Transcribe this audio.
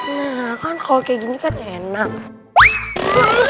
nah kan kalau kayak gini kan enak